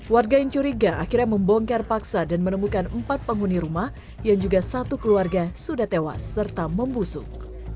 warga yang curiga akhirnya membongkar paksa dan menemukan empat penghuni rumah yang juga satu keluarga sudah tewas serta membusuk